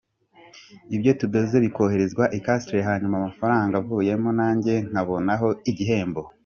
ibyo tudoze bikoherezwa i Castre hanyuma amafaranga avuyemo nanjye nkabonaho igihembo